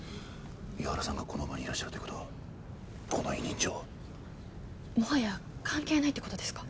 伊原さんがこの場にいらっしゃるということはこの委任状はもはや関係ないってことですか？